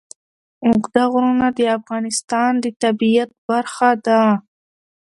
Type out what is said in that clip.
اوږده غرونه د افغانستان د طبیعت برخه ده.